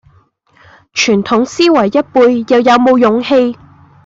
傳統思維一輩又有冇勇氣